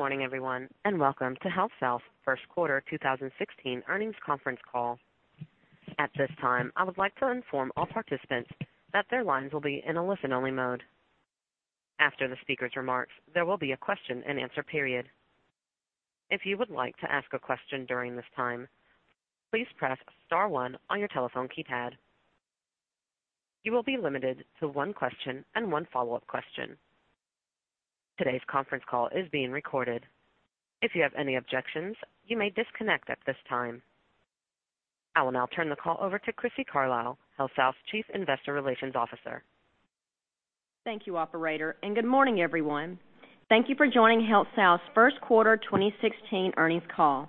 Good morning, everyone, and welcome to HealthSouth's first quarter 2016 earnings conference call. At this time, I would like to inform all participants that their lines will be in a listen-only mode. After the speaker's remarks, there will be a question-and-answer period. If you would like to ask a question during this time, please press star one on your telephone keypad. You will be limited to one question and one follow-up question. Today's conference call is being recorded. If you have any objections, you may disconnect at this time. I will now turn the call over to Crissy Carlisle, HealthSouth's Chief Investor Relations Officer. Thank you, operator, and good morning, everyone. Thank you for joining HealthSouth's first quarter 2016 earnings call.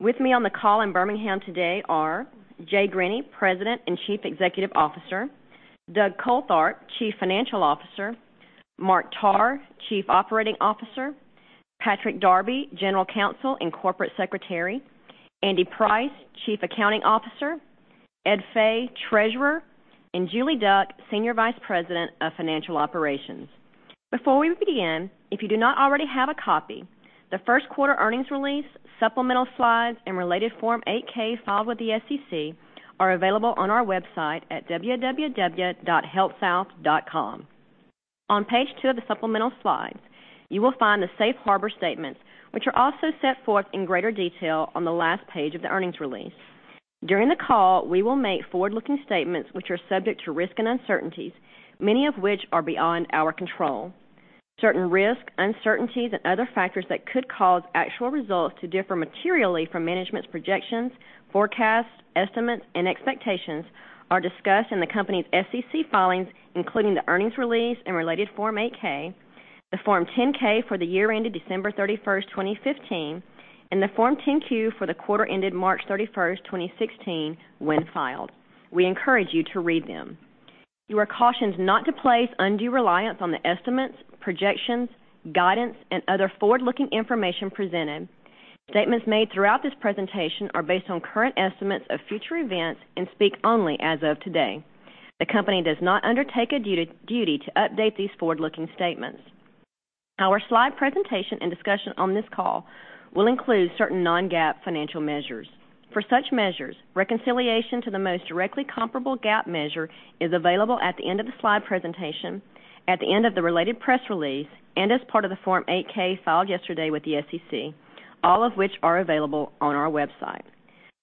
With me on the call in Birmingham today are Jay Grinney, President and Chief Executive Officer; Douglas Coltharp, Chief Financial Officer; Mark Tarr, Chief Operating Officer; Patrick Darby, General Counsel and Corporate Secretary; Andy Price, Chief Accounting Officer; Ed Fay, Treasurer; and Julie Duck, Senior Vice President of Financial Operations. Before we begin, if you do not already have a copy, the first quarter earnings release, supplemental slides, and related Form 8-K filed with the SEC are available on our website at www.healthsouth.com. On page two of the supplemental slides, you will find the safe harbor statement, which are also set forth in greater detail on the last page of the earnings release. During the call, we will make forward-looking statements which are subject to risk and uncertainties, many of which are beyond our control. Certain risks, uncertainties, and other factors that could cause actual results to differ materially from management's projections, forecasts, estimates, and expectations are discussed in the company's SEC filings, including the earnings release and related Form 8-K, the Form 10-K for the year ended December 31st, 2015, and the Form 10-Q for the quarter ended March 31st, 2016, when filed. We encourage you to read them. You are cautioned not to place undue reliance on the estimates, projections, guidance, and other forward-looking information presented. Statements made throughout this presentation are based on current estimates of future events and speak only as of today. The company does not undertake a duty to update these forward-looking statements. Our slide presentation and discussion on this call will include certain non-GAAP financial measures. For such measures, reconciliation to the most directly comparable GAAP measure is available at the end of the slide presentation, at the end of the related press release, and as part of the Form 8-K filed yesterday with the SEC, all of which are available on our website.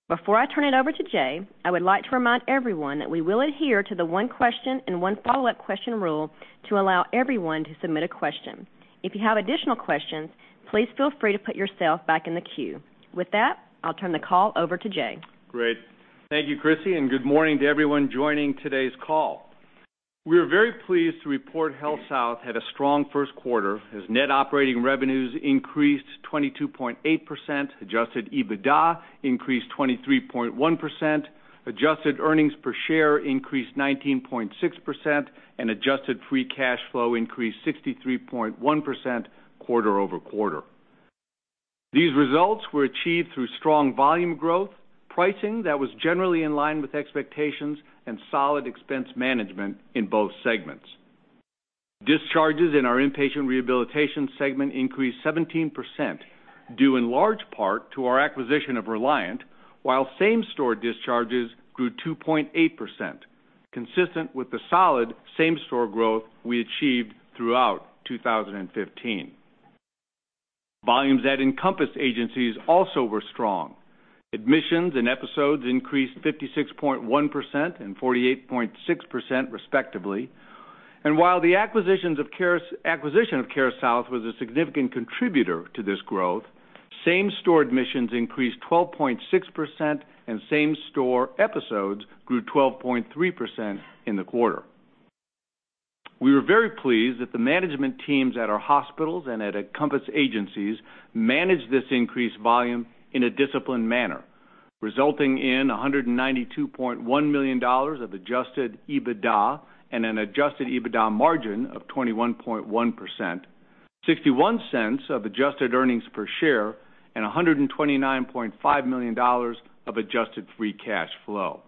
Before I turn it over to Jay, I would like to remind everyone that we will adhere to the one question and one follow-up question rule to allow everyone to submit a question. If you have additional questions, please feel free to put yourself back in the queue. With that, I'll turn the call over to Jay. Great. Thank you, Crissy, and good morning to everyone joining today's call. We are very pleased to report HealthSouth had a strong first quarter as net operating revenues increased 22.8%, adjusted EBITDA increased 23.1%, adjusted earnings per share increased 19.6%, and adjusted free cash flow increased 63.1% quarter-over-quarter. These results were achieved through strong volume growth, pricing that was generally in line with expectations, and solid expense management in both segments. Discharges in our inpatient rehabilitation segment increased 17%, due in large part to our acquisition of Reliant, while same-store discharges grew 2.8%, consistent with the solid same-store growth we achieved throughout 2015. Volumes at Encompass agencies also were strong. Admissions and episodes increased 56.1% and 48.6% respectively. While the acquisition of CareSouth was a significant contributor to this growth, same-store admissions increased 12.6% and same-store episodes grew 12.3% in the quarter. We were very pleased that the management teams at our hospitals and at Encompass agencies managed this increased volume in a disciplined manner, resulting in $192.1 million of adjusted EBITDA and an adjusted EBITDA margin of 21.1%, $0.61 of adjusted earnings per share, and $129.5 million of adjusted free cash flow.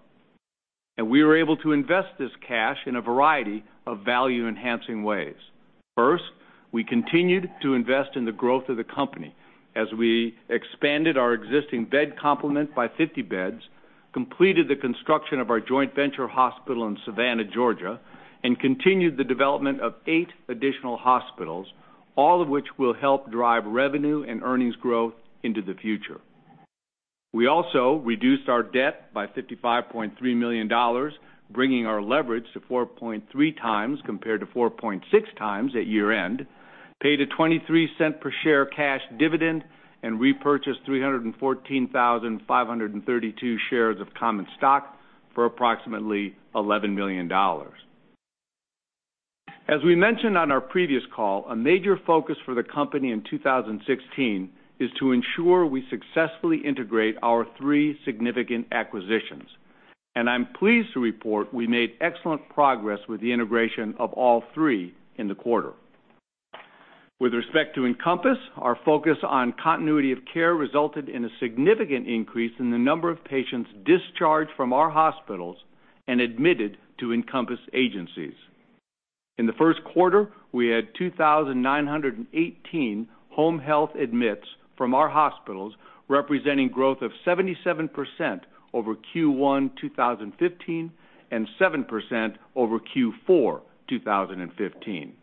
We were able to invest this cash in a variety of value-enhancing ways. First, we continued to invest in the growth of the company as we expanded our existing bed complement by 50 beds, completed the construction of our joint venture hospital in Savannah, Georgia, and continued the development of eight additional hospitals, all of which will help drive revenue and earnings growth into the future. We also reduced our debt by $55.3 million, bringing our leverage to 4.3 times compared to 4.6 times at year-end, paid a $0.23-per-share cash dividend, and repurchased 314,532 shares of common stock for approximately $11 million. As we mentioned on our previous call, a major focus for the company in 2016 is to ensure we successfully integrate our three significant acquisitions. I'm pleased to report we made excellent progress with the integration of all three in the quarter. With respect to Encompass, our focus on continuity of care resulted in a significant increase in the number of patients discharged from our hospitals and admitted to Encompass agencies. In the first quarter, we had 2,918 home health admits from our hospitals, representing growth of 77% over Q1 2015, 7% over Q4 2015.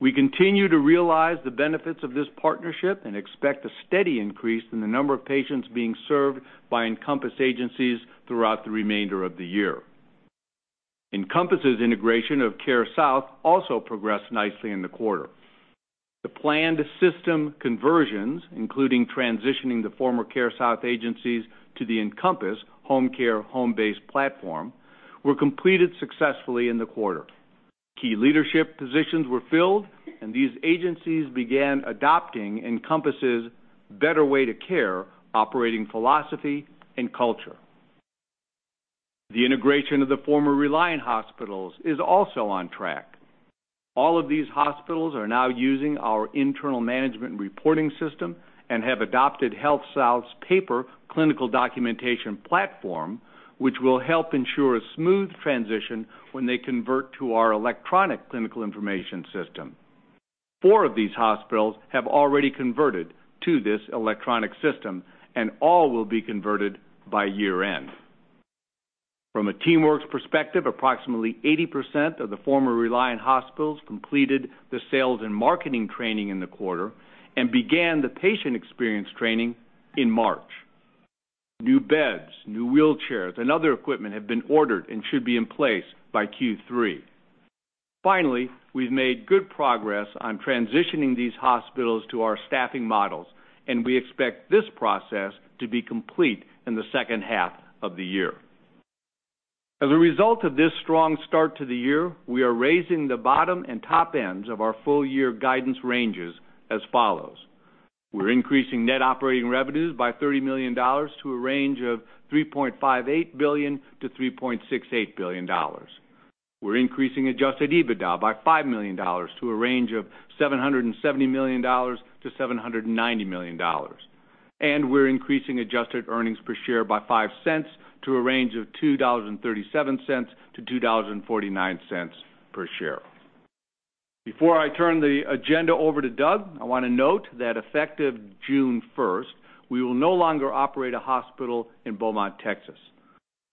We continue to realize the benefits of this partnership and expect a steady increase in the number of patients being served by Encompass agencies throughout the remainder of the year. Encompass's integration of CareSouth also progressed nicely in the quarter. The planned system conversions, including transitioning the former CareSouth agencies to the Encompass Homecare Homebase platform, were completed successfully in the quarter. Key leadership positions were filled, and these agencies began adopting Encompass's Better Way to Care operating philosophy and culture. The integration of the former Reliant hospitals is also on track. All of these hospitals are now using our internal management reporting system and have adopted HealthSouth's paper clinical documentation platform, which will help ensure a smooth transition when they convert to our electronic clinical information system. Four of these hospitals have already converted to this electronic system, and all will be converted by year-end. From a TeamWorks perspective, approximately 80% of the former Reliant hospitals completed the sales and marketing training in the quarter and began the patient experience training in March. New beds, new wheelchairs, and other equipment have been ordered and should be in place by Q3. Finally, we've made good progress on transitioning these hospitals to our staffing models, and we expect this process to be complete in the second half of the year. As a result of this strong start to the year, we are raising the bottom and top ends of our full year guidance ranges as follows. We're increasing net operating revenues by $30 million to a range of $3.58 billion-$3.68 billion. We're increasing adjusted EBITDA by $5 million to a range of $770 million-$790 million, and we're increasing adjusted earnings per share by $0.05 to a range of $2.37-$2.49 per share. Before I turn the agenda over to Doug, I want to note that effective June 1st, we will no longer operate a hospital in Beaumont, Texas.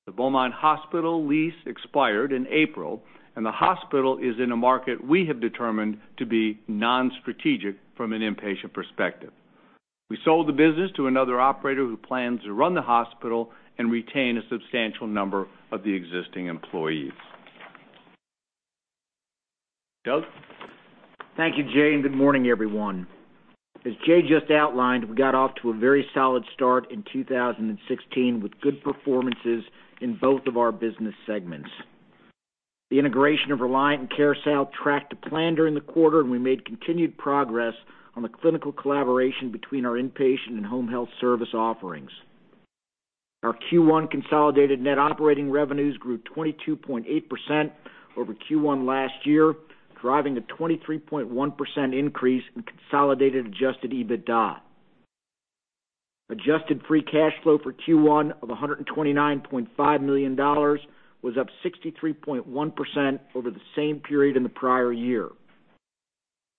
The Beaumont hospital lease expired in April, and the hospital is in a market we have determined to be non-strategic from an inpatient perspective. We sold the business to another operator who plans to run the hospital and retain a substantial number of the existing employees. Doug? Thank you, Jay, and good morning, everyone. As Jay just outlined, we got off to a very solid start in 2016 with good performances in both of our business segments. The integration of Reliant and CareSouth tracked to plan during the quarter, and we made continued progress on the clinical collaboration between our inpatient and home health service offerings. Our Q1 consolidated net operating revenues grew 22.8% over Q1 last year, driving a 23.1% increase in consolidated adjusted EBITDA. Adjusted free cash flow for Q1 of $129.5 million was up 63.1% over the same period in the prior year.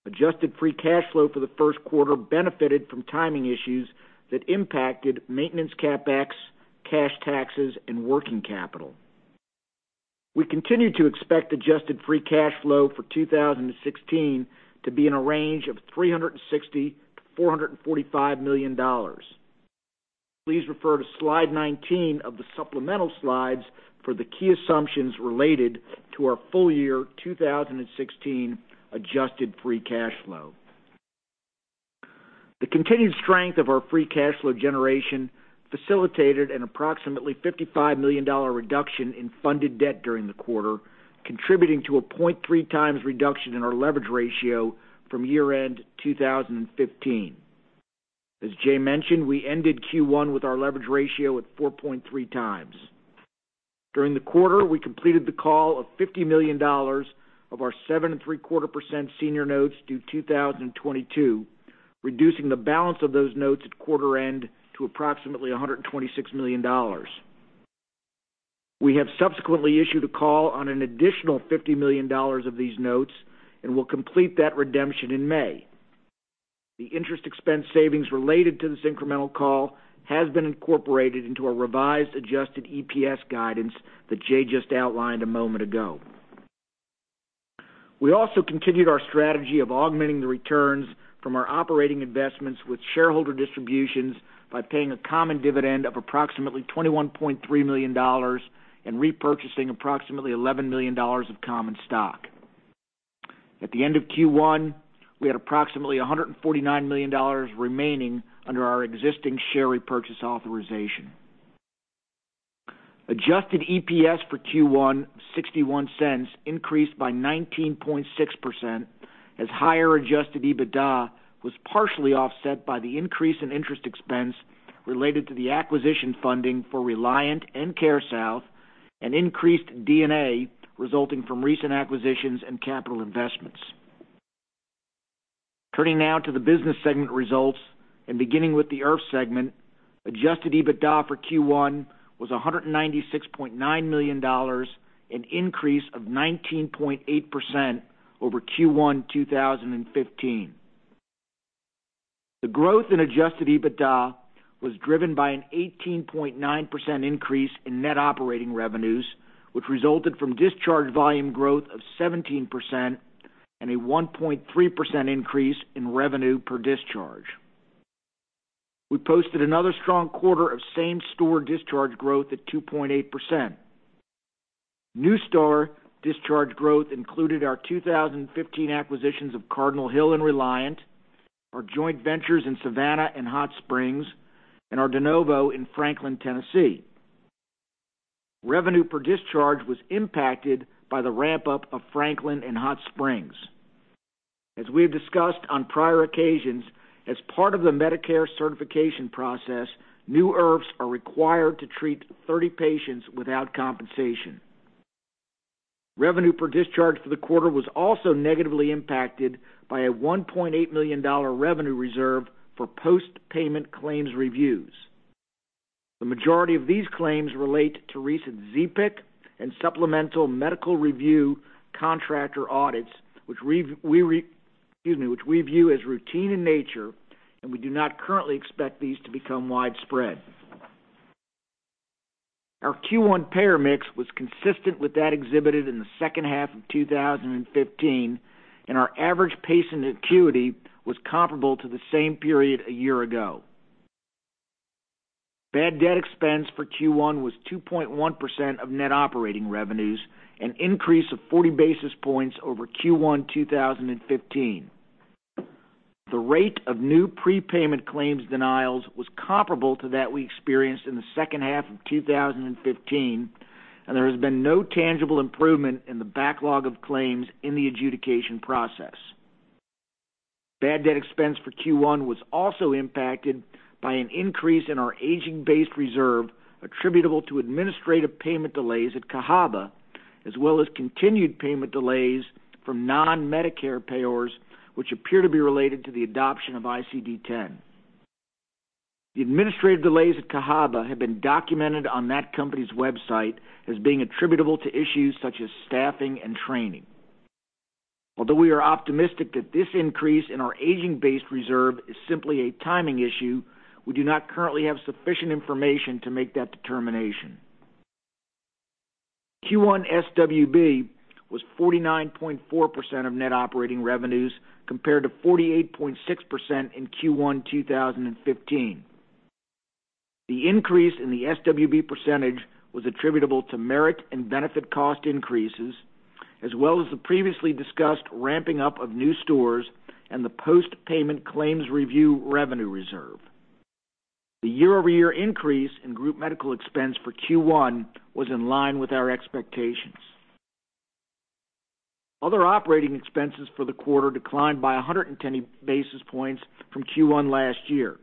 Adjusted free cash flow for the first quarter benefited from timing issues that impacted maintenance CapEx, cash taxes, and working capital. We continue to expect adjusted free cash flow for 2016 to be in a range of $360 million-$445 million. Please refer to slide 19 of the supplemental slides for the key assumptions related to our full year 2016 adjusted free cash flow. The continued strength of our free cash flow generation facilitated an approximately $55 million reduction in funded debt during the quarter, contributing to a 0.3 times reduction in our leverage ratio from year-end 2015. As Jay mentioned, we ended Q1 with our leverage ratio at 4.3 times. During the quarter, we completed the call of $50 million of our 7.75% senior notes due 2022, reducing the balance of those notes at quarter end to approximately $126 million. We have subsequently issued a call on an additional $50 million of these notes and will complete that redemption in May. The interest expense savings related to this incremental call has been incorporated into our revised adjusted EPS guidance that Jay just outlined a moment ago. We also continued our strategy of augmenting the returns from our operating investments with shareholder distributions by paying a common dividend of approximately $21.3 million and repurchasing approximately $11 million of common stock. At the end of Q1, we had approximately $149 million remaining under our existing share repurchase authorization. Adjusted EPS for Q1 of $0.61 increased by 19.6% as higher adjusted EBITDA was partially offset by the increase in interest expense related to the acquisition funding for Reliant and CareSouth and increased D&A resulting from recent acquisitions and capital investments. Turning now to the business segment results and beginning with the IRF segment, adjusted EBITDA for Q1 was $196.9 million, an increase of 19.8% over Q1 2015. The growth in adjusted EBITDA was driven by an 18.9% increase in net operating revenues, which resulted from discharge volume growth of 17% and a 1.3% increase in revenue per discharge. We posted another strong quarter of same store discharge growth at 2.8%. New store discharge growth included our 2015 acquisitions of Cardinal Hill and Reliant, our joint ventures in Savannah and Hot Springs, and our de novo in Franklin, Tennessee. Revenue per discharge was impacted by the ramp-up of Franklin and Hot Springs. As we have discussed on prior occasions, as part of the Medicare certification process, new IRFs are required to treat 30 patients without compensation. Revenue per discharge for the quarter was also negatively impacted by a $1.8 million revenue reserve for post-payment claims reviews. The majority of these claims relate to recent ZPIC and supplemental medical review contractor audits, which we view as routine in nature, and we do not currently expect these to become widespread. Our Q1 payer mix was consistent with that exhibited in the second half of 2015, and our average patient acuity was comparable to the same period a year ago. Bad debt expense for Q1 was 2.1% of net operating revenues, an increase of 40 basis points over Q1 2015. The rate of new prepayment claims denials was comparable to that we experienced in the second half of 2015, and there has been no tangible improvement in the backlog of claims in the adjudication process. Bad debt expense for Q1 was also impacted by an increase in our aging-based reserve attributable to administrative payment delays at Cahaba, as well as continued payment delays from non-Medicare payers, which appear to be related to the adoption of ICD-10. The administrative delays at Cahaba have been documented on that company's website as being attributable to issues such as staffing and training. Although we are optimistic that this increase in our aging-based reserve is simply a timing issue, we do not currently have sufficient information to make that determination. Q1 SWB was 49.4% of net operating revenues compared to 48.6% in Q1 2015. The increase in the SWB percentage was attributable to merit and benefit cost increases, as well as the previously discussed ramping up of new stores and the post-payment claims review revenue reserve. The year-over-year increase in group medical expense for Q1 was in line with our expectations. Other operating expenses for the quarter declined by 120 basis points from Q1 last year.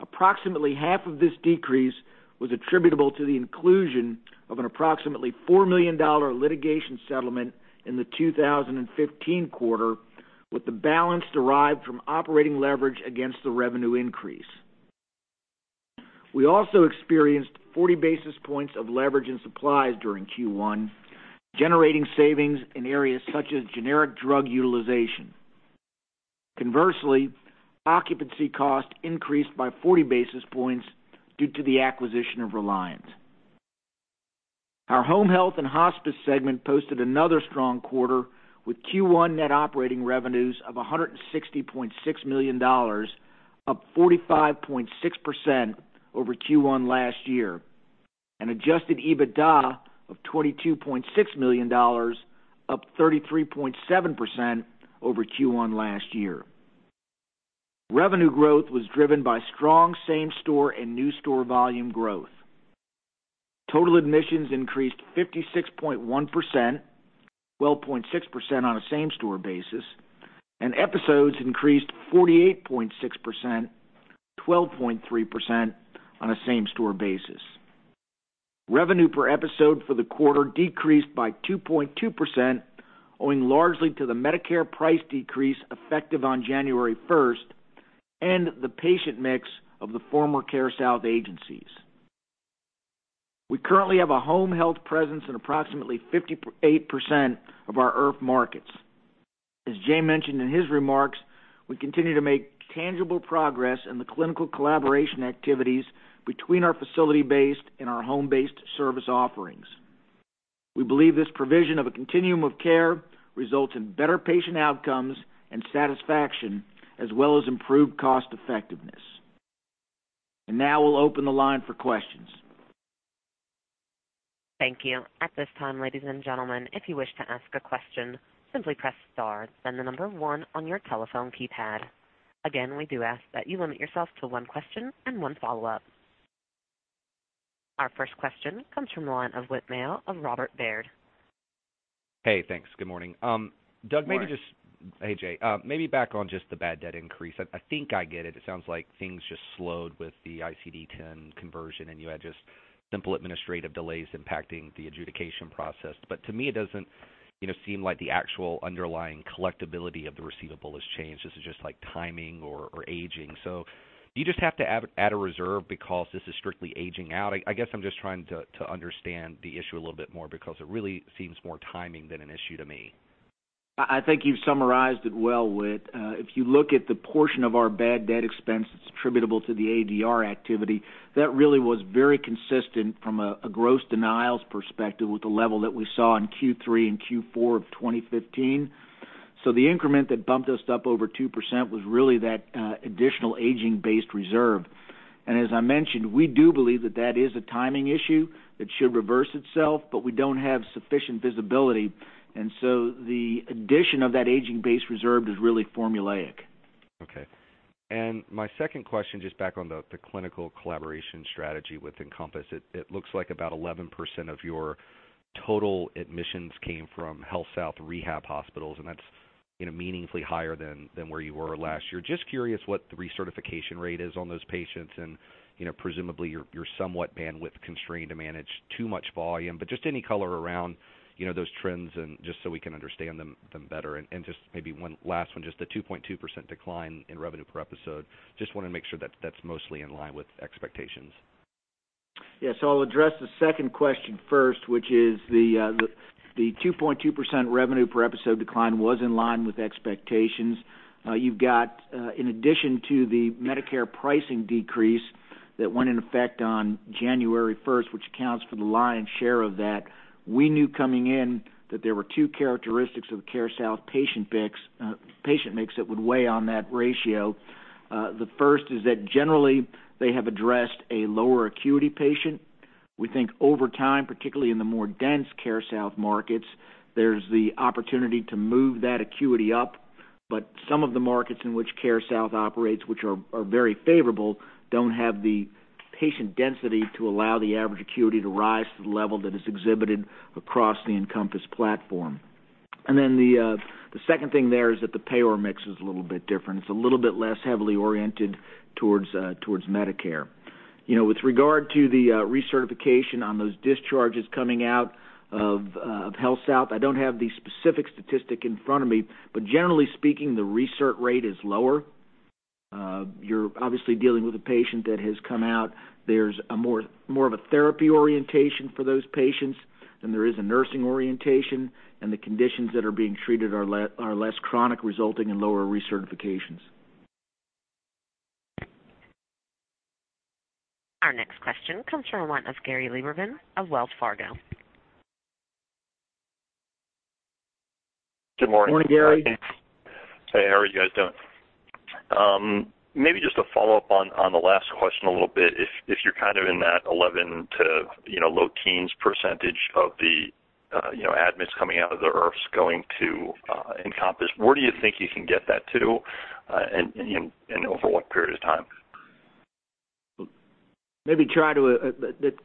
Approximately half of this decrease was attributable to the inclusion of an approximately $4 million litigation settlement in the 2015 quarter, with the balance derived from operating leverage against the revenue increase. We also experienced 40 basis points of leverage in supplies during Q1, generating savings in areas such as generic drug utilization. Conversely, occupancy cost increased by 40 basis points due to the acquisition of Reliant. Our home health and hospice segment posted another strong quarter with Q1 net operating revenues of $160.6 million, up 45.6% over Q1 last year, and adjusted EBITDA of $22.6 million, up 33.7% over Q1 last year. Revenue growth was driven by strong same store and new store volume growth. Total admissions increased 56.1%, 12.6% on a same store basis, and episodes increased 48.6%, 12.3% on a same store basis. Revenue per episode for the quarter decreased by 2.2%, owing largely to the Medicare price decrease effective on January 1st and the patient mix of the former CareSouth agencies. We currently have a home health presence in approximately 58% of our IRF markets. As Jay mentioned in his remarks, we continue to make tangible progress in the clinical collaboration activities between our facility-based and our home-based service offerings. We believe this provision of a continuum of care results in better patient outcomes and satisfaction, as well as improved cost effectiveness. Now we'll open the line for questions. Thank you. At this time, ladies and gentlemen, if you wish to ask a question, simply press star, then the number 1 on your telephone keypad. Again, we do ask that you limit yourself to one question and one follow-up. Our first question comes from the line of Whit Mayo of Robert W. Baird. Hey, thanks. Good morning. Morning. Hey, Jay. Maybe back on the bad debt increase. I think I get it. It sounds like things slowed with the ICD-10 conversion, and you had simple administrative delays impacting the adjudication process. To me, it doesn't seem like the actual underlying collectibility of the receivable has changed. This is just timing or aging. Do you have to add a reserve because this is strictly aging out? I guess I'm trying to understand the issue a little bit more because it really seems more timing than an issue to me. I think you've summarized it well, Whit. If you look at the portion of our bad debt expense that's attributable to the ADR activity, that really was very consistent from a gross denials perspective with the level that we saw in Q3 and Q4 of 2015. The increment that bumped us up over 2% was really that additional aging-based reserve. As I mentioned, we do believe that that is a timing issue that should reverse itself, but we don't have sufficient visibility, the addition of that aging base reserve is really formulaic. Okay. My second question, back on the clinical collaboration strategy with Encompass. It looks like about 11% of your total admissions came from HealthSouth rehab hospitals, and that's meaningfully higher than where you were last year. Curious what the recertification rate is on those patients and presumably, you're somewhat bandwidth constrained to manage too much volume, any color around those trends so we can understand them better maybe one last one, the 2.2% decline in revenue per episode. Want to make sure that that's mostly in line with expectations. Yes. I'll address the second question first, which is the 2.2% revenue per episode decline was in line with expectations. You've got, in addition to the Medicare pricing decrease that went in effect on January 1st, which accounts for the lion's share of that. We knew coming in that there were two characteristics of the CareSouth patient mix that would weigh on that ratio. The first is that generally they have addressed a lower acuity patient. We think over time, particularly in the more dense CareSouth markets, there's the opportunity to move that acuity up. Some of the markets in which CareSouth operates, which are very favorable, don't have the patient density to allow the average acuity to rise to the level that is exhibited across the Encompass platform. The second thing there is that the payer mix is a little bit different. It's a little bit less heavily oriented towards Medicare. With regard to the recertification on those discharges coming out of HealthSouth, I don't have the specific statistic in front of me, but generally speaking, the recert rate is lower. You're obviously dealing with a patient that has come out. There's more of a therapy orientation for those patients than there is a nursing orientation, and the conditions that are being treated are less chronic, resulting in lower recertifications. Our next question comes from one of Gary Lieberman of Wells Fargo. Good morning, Gary. Good morning. Hey, how are you guys doing? Maybe just a follow-up on the last question a little bit. If you're in that 11 to low teens percentage of the admits coming out of the IRFs going to Encompass, where do you think you can get that to, and over what period of time? Maybe try to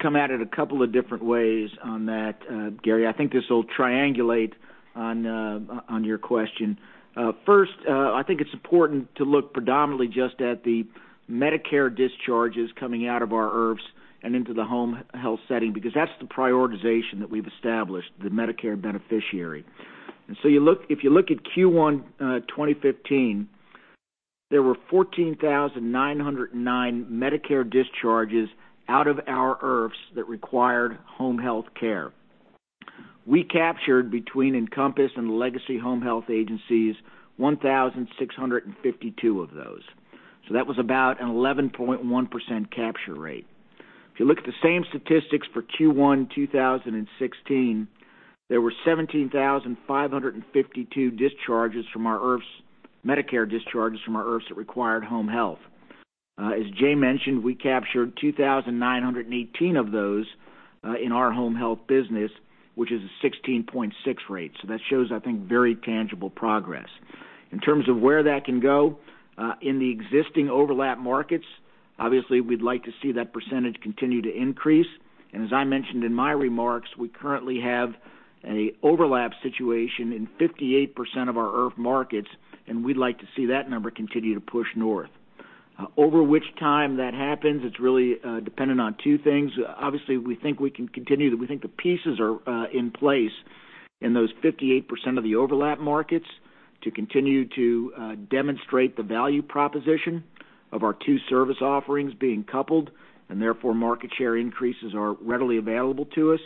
come at it a couple of different ways on that, Gary. I think this will triangulate on your question. First, I think it's important to look predominantly just at the Medicare discharges coming out of our IRFs and into the home health setting because that's the prioritization that we've established, the Medicare beneficiary. If you look at Q1 2015, there were 14,909 Medicare discharges out of our IRFs that required home health care. We captured between Encompass and Legacy Home Health agencies, 1,652 of those. That was about an 11.1% capture rate. If you look at the same statistics for Q1 2016, there were 17,552 Medicare discharges from our IRFs that required home health. As Jay mentioned, we captured 2,918 of those in our home health business, which is a 16.6% rate. That shows, I think, very tangible progress. In terms of where that can go, in the existing overlap markets, obviously we'd like to see that percentage continue to increase. As I mentioned in my remarks, we currently have an overlap situation in 58% of our IRF markets, and we'd like to see that number continue to push north. Over which time that happens, it's really dependent on two things. Obviously, we think we can continue, that we think the pieces are in place in those 58% of the overlap markets to continue to demonstrate the value proposition of our two service offerings being coupled, and therefore market share increases are readily available to us.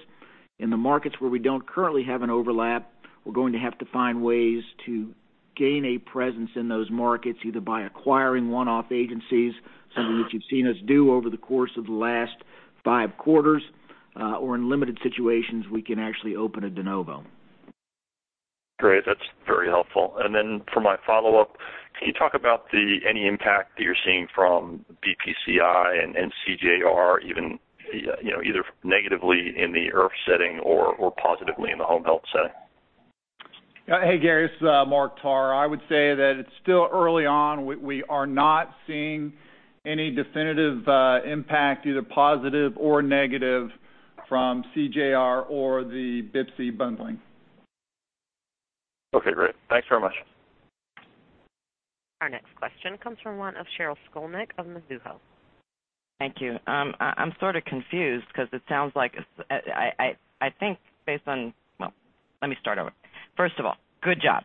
In the markets where we don't currently have an overlap, we're going to have to find ways to gain a presence in those markets, either by acquiring one-off agencies, something that you've seen us do over the course of the last five quarters, or in limited situations, we can actually open a de novo. Great. That's very helpful. Then for my follow-up, can you talk about any impact that you're seeing from BPCI and CJR, either negatively in the IRF setting or positively in the home health setting? Gary, this is Mark Tarr. I would say that it's still early on. We are not seeing any definitive impact, either positive or negative from CJR or the BPCI bundling. Okay, great. Thanks very much. Question comes from one of Sheryl Skolnick of Mizuho. Thank you. I'm sort of confused because it sounds like Well, let me start over. First of all, good job.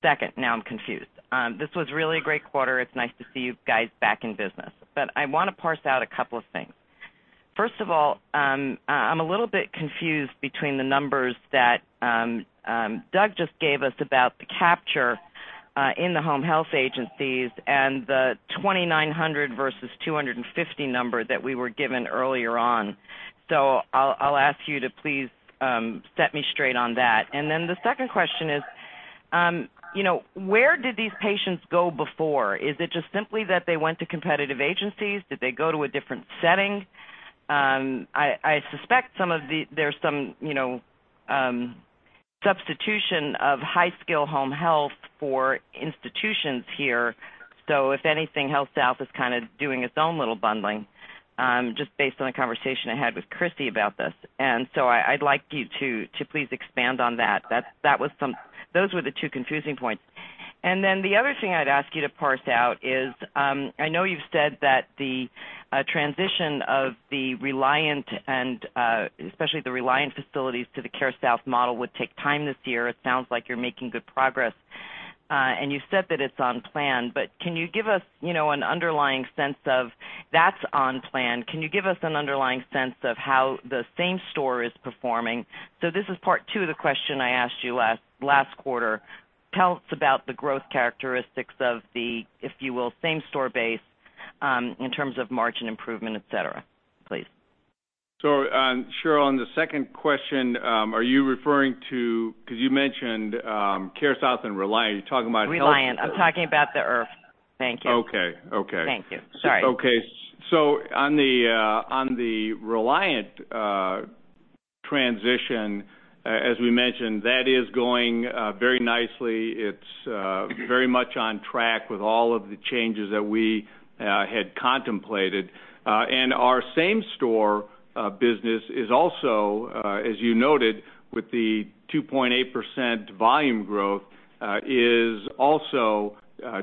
Second, now I'm confused. This was really a great quarter. It's nice to see you guys back in business. I want to parse out a couple of things. First of all, I'm a little bit confused between the numbers that Doug just gave us about the capture in the home health agencies and the 2,900 versus 250 number that we were given earlier on. I'll ask you to please set me straight on that. The second question is, where did these patients go before? Is it just simply that they went to competitive agencies? Did they go to a different setting? I suspect there's some substitution of high-skill home health for institutions here. If anything, HealthSouth is kind of doing its own little bundling, just based on a conversation I had with Crissy about this. I'd like you to please expand on that. Those were the two confusing points. The other thing I'd ask you to parse out is, I know you've said that the transition of the Reliant, and especially the Reliant facilities to the CareSouth model would take time this year. It sounds like you're making good progress. You said that it's on plan, but can you give us an underlying sense of that's on plan? Can you give us an underlying sense of how the same-store is performing? This is part two of the question I asked you last quarter. Tell us about the growth characteristics of the, if you will, same-store base, in terms of margin improvement, et cetera, please. Sheryl, on the second question, are you referring to, because you mentioned CareSouth and Reliant, you're talking about Reliant. I'm talking about the IRF. Thank you. Okay. Thank you. Sorry. On the Reliant transition, as we mentioned, that is going very nicely. It's very much on track with all of the changes that we had contemplated. Our same-store business is also, as you noted, with the 2.8% volume growth, is also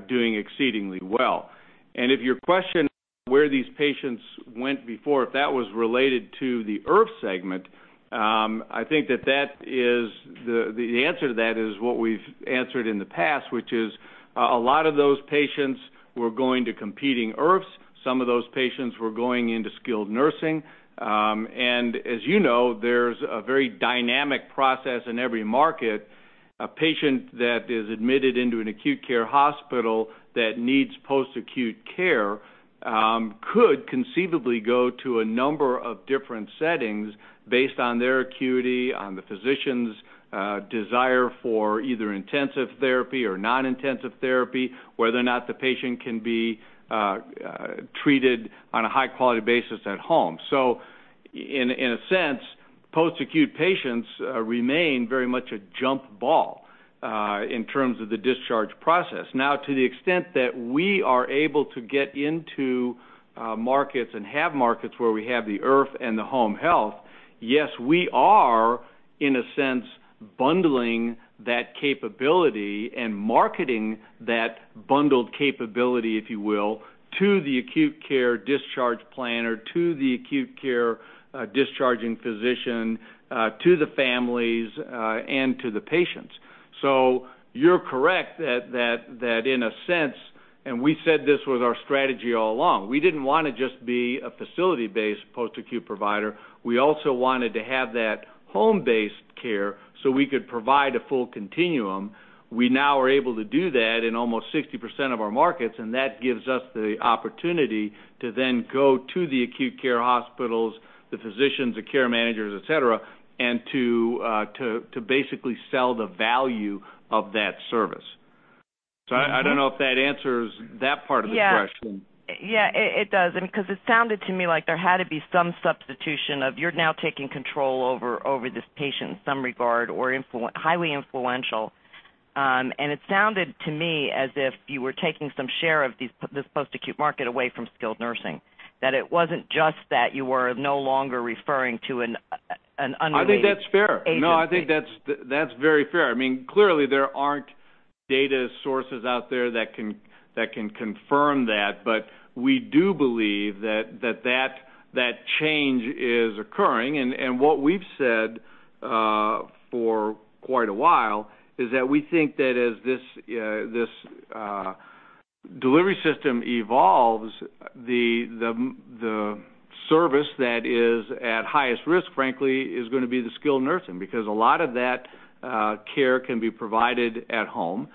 doing exceedingly well. If your question where these patients went before, if that was related to the IRF segment, I think that the answer to that is what we've answered in the past, which is a lot of those patients were going to competing IRFs. Some of those patients were going into skilled nursing. As you know, there's a very dynamic process in every market. A patient that is admitted into an acute care hospital that needs post-acute care could conceivably go to a number of different settings based on their acuity, on the physician's desire for either intensive therapy or non-intensive therapy, whether or not the patient can be treated on a high-quality basis at home. In a sense, post-acute patients remain very much a jump ball in terms of the discharge process. Now, to the extent that we are able to get into markets and have markets where we have the IRF and the home health, yes, we are, in a sense, bundling that capability and marketing that bundled capability, if you will, to the acute care discharge planner, to the acute care discharging physician, to the families, and to the patients. You're correct that in a sense, and we said this was our strategy all along, we didn't want to just be a facility-based post-acute provider. We also wanted to have that home-based care so we could provide a full continuum. We now are able to do that in almost 60% of our markets, and that gives us the opportunity to then go to the acute care hospitals, the physicians, the care managers, et cetera, and to basically sell the value of that service. I don't know if that answers that part of the question. Yeah, it does. Because it sounded to me like there had to be some substitution of you're now taking control over this patient in some regard or highly influential. It sounded to me as if you were taking some share of this post-acute market away from skilled nursing, that it wasn't just that you were no longer referring to an unrelated agent. I think that's fair. I think that's very fair. Clearly, there aren't data sources out there that can confirm that, but we do believe that change is occurring. What we've said for quite a while is that we think that as this delivery system evolves, the service that is at highest risk, frankly, is going to be the skilled nursing, because a lot of that care can be provided at home.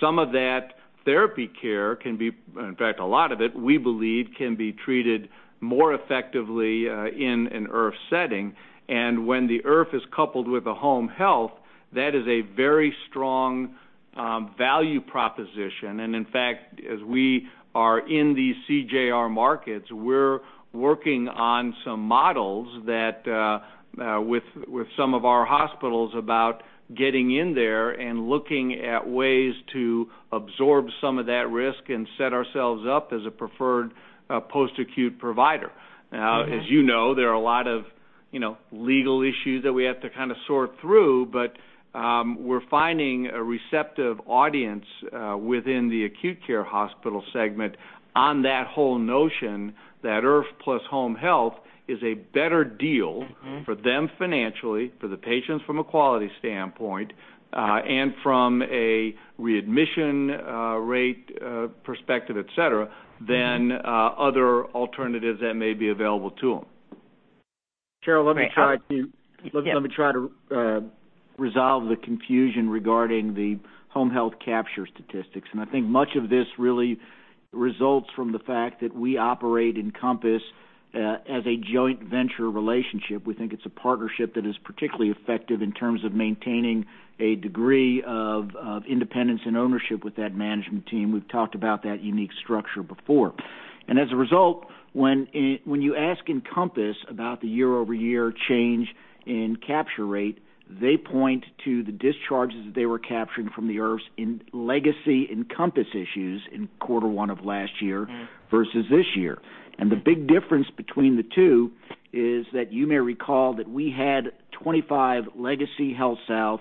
Some of that therapy care, in fact, a lot of it, we believe, can be treated more effectively in an IRF setting. When the IRF is coupled with a home health, that is a very strong value proposition. In fact, as we are in these CJR markets, we're working on some models with some of our hospitals about getting in there and looking at ways to absorb some of that risk and set ourselves up as a preferred post-acute provider. Now, as you know, there are a lot of legal issues that we have to sort through, but we're finding a receptive audience within the acute care hospital segment on that whole notion that IRF plus home health is a better deal for them financially, for the patients from a quality standpoint, and from a readmission rate perspective, et cetera, than other alternatives that may be available to them. Sheryl, let me try to resolve the confusion regarding the home health capture statistics. I think much of this really results from the fact that we operate Encompass as a joint venture relationship. We think it's a partnership that is particularly effective in terms of maintaining a degree of independence and ownership with that management team. We've talked about that unique structure before. As a result, when you ask Encompass about the year-over-year change in capture rate, they point to the discharges that they were capturing from the IRFs in legacy Encompass issues in quarter one of last year versus this year. The big difference between the two is that you may recall that we had 25 legacy HealthSouth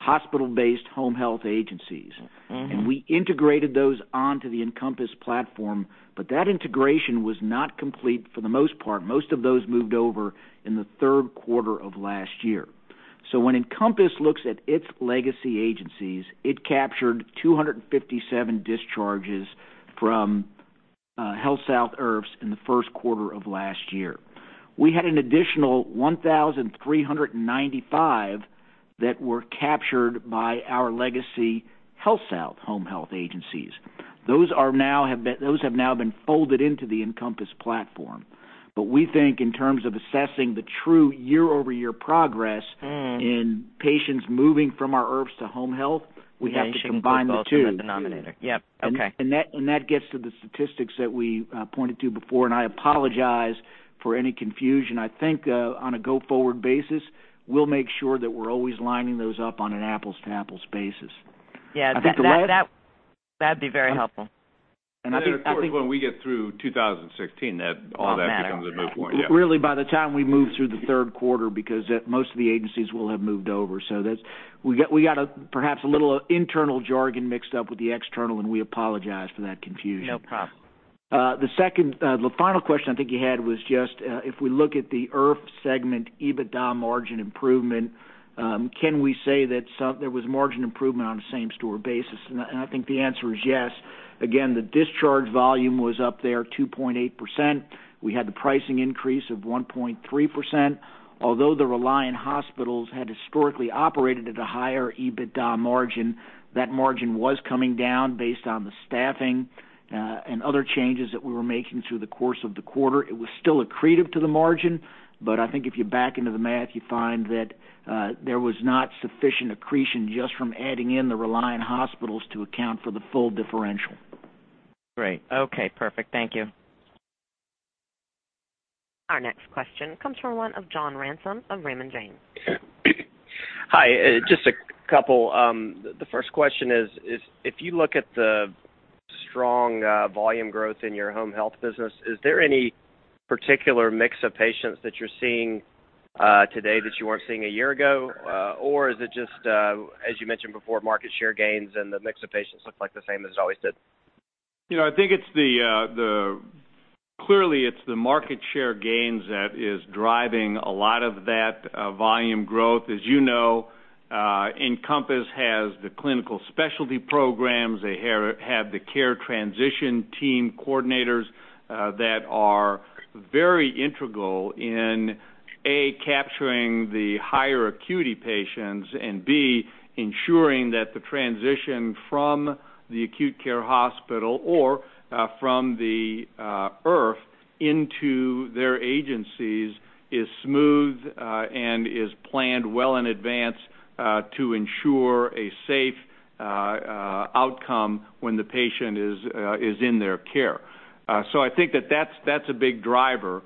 hospital-based home health agencies, and we integrated those onto the Encompass platform. That integration was not complete for the most part. Most of those moved over in the third quarter of last year. When Encompass looks at its legacy agencies, it captured 257 discharges from HealthSouth IRFs in the first quarter of last year. We had an additional 1,395 that were captured by our legacy HealthSouth home health agencies. Those have now been folded into the Encompass platform. We think in terms of assessing the true year-over-year progress in patients moving from our IRFs to home health, we have to combine the two. Yeah, you should put both in the denominator. Yep. Okay. That gets to the statistics that we pointed to before, and I apologize for any confusion. I think on a go-forward basis, we'll make sure that we're always lining those up on an apples-to-apples basis. Yeah. That'd be very helpful. Yeah, of course, when we get through 2016, all that becomes a moot point. Really by the time we move through the third quarter because most of the agencies will have moved over. We got perhaps a little internal jargon mixed up with the external, we apologize for that confusion. No problem. The final question I think you had was just if we look at the IRF segment EBITDA margin improvement, can we say that there was margin improvement on a same-store basis? I think the answer is yes. Again, the discharge volume was up there 2.8%. We had the pricing increase of 1.3%. Although the Reliant hospitals had historically operated at a higher EBITDA margin, that margin was coming down based on the staffing and other changes that we were making through the course of the quarter. It was still accretive to the margin, I think if you back into the math, you find that there was not sufficient accretion just from adding in the Reliant hospitals to account for the full differential. Great. Okay, perfect. Thank you. Our next question comes from one of John Ransom of Raymond James. Hi, just a couple. The first question is, if you look at the strong volume growth in your home health business, is there any particular mix of patients that you're seeing today that you weren't seeing a year ago? Is it just, as you mentioned before, market share gains and the mix of patients look like the same as it always did? Clearly, it's the market share gains that is driving a lot of that volume growth. As you know, Encompass has the clinical specialty programs. They have the care transition team coordinators that are very integral in, A, capturing the higher acuity patients, and B, ensuring that the transition from the acute care hospital or from the IRF into their agencies is smooth and is planned well in advance to ensure a safe outcome when the patient is in their care. I think that that's a big driver.